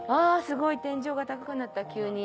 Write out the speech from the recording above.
すごい天井が高くなった急に。